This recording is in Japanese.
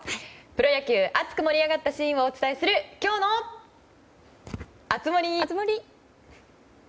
プロ野球熱く盛り上がったシーンをお届けする今日の熱盛。